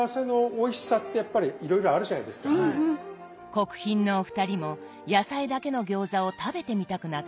国賓のお二人も野菜だけの餃子を食べてみたくなったのでは？